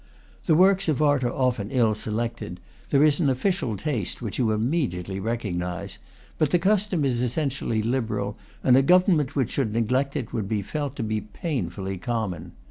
The works of art are often ill selected, there is an official taste which you immediately recognize, but the custom is essen tially liberal, and a government which should neglect it would be felt to be painfully common.